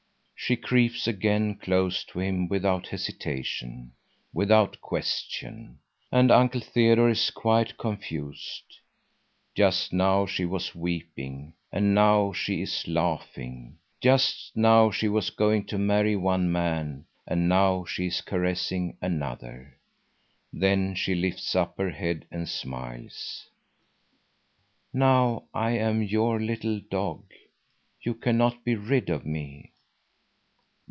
She creeps again close to him without hesitation, without question. And Uncle Theodore is quite confused; just now she was weeping and now she is laughing; just now she was going to marry one man and now she is caressing another. Then she lifts up her head and smiles: "Now I am your little dog. You cannot be rid of me."